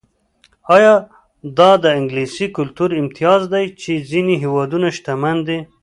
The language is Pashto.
ایا دا د انګلیسي کلتور امتیاز دی چې ځینې هېوادونه شتمن دي.